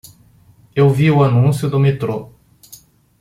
Eu vi o anúncio do metrô